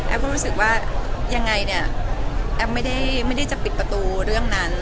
ก็รู้สึกว่ายังไงเนี่ยแอฟไม่ได้จะปิดประตูเรื่องนั้น